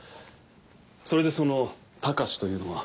それでその「隆」というのは？